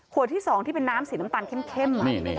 ที่๒ที่เป็นน้ำสีน้ำตาลเข้ม